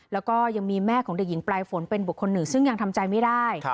แล้วก็ยังมีแม่ของเด็กหญิงปลายฝนเป็นบุคคลหนึ่งซึ่งยังทำใจไม่ได้